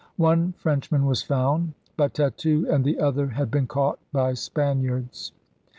One Frencliman was found. But Tetu and the other had been caught by Spaniards.